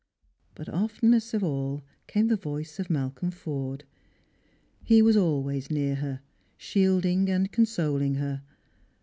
But oftenest of all came the voice of Malcolm Forde. He was always near her, shielding and con soling her.